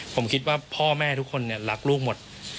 ผมคิดว่าพ่อแม่ทุกคนรักลูกหมด